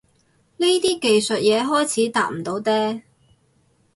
呢啲技術嘢開始搭唔到嗲